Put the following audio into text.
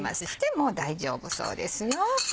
もう大丈夫そうですよ。